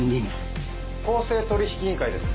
「公正取引委員会です」